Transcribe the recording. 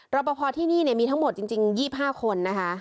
รอปภที่นี่มีทั้งหมดจริง๒๕คนนะคะ